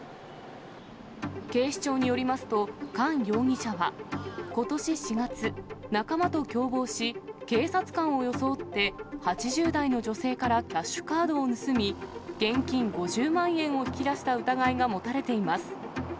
警視庁によりますと、韓容疑者はことし４月、仲間と共謀し、警察官を装って８０代の女性からキャッシュカードを盗み、現金５０万円を引き出した疑いが持たれています。